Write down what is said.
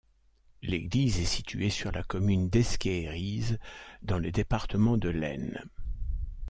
L'église est située sur la commune d'Esquéhéries, dans le département de l'Aisne.